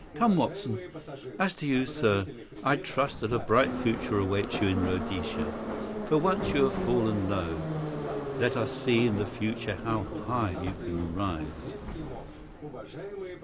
Come, Watson! As to you, sir, I trust that a bright future awaits you in Rhodesia. For once you have fallen low. Let us see in the future how high you can rise."